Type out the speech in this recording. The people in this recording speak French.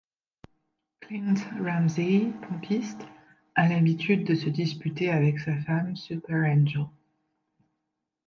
Clint Ramsey, pompiste, a l'habitude de se disputer avec sa femme SuperAngel.